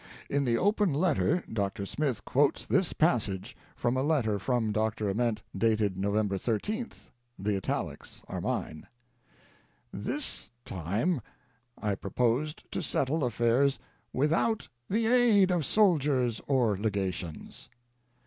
In the Open Letter, Dr. Smith quotes this passage from a letter from Dr. Ament, dated November 13th. The italics are mine: "This time I proposed to settle affairs without the aid of soldiers or le gations."